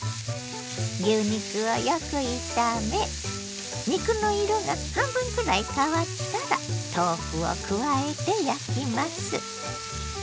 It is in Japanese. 牛肉をよく炒め肉の色が半分くらい変わったら豆腐を加えて焼きます。